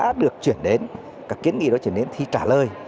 đã được chuyển đến các kiến nghị đó chuyển đến thì trả lời